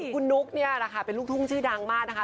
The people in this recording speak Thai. คุณนุกเป็นลูกทุ่งชื่อดังมากนะคะ